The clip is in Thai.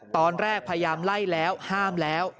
ตอนแรกพยายามไล่แล้วห้ามแล้ว